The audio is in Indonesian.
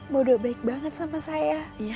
modo baik banget sama saya